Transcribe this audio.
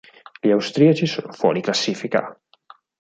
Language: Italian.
Gli austriaci sono fuori classifica.